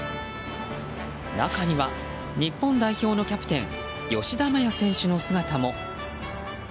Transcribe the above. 中には日本代表のキャプテン吉田麻也選手の姿も。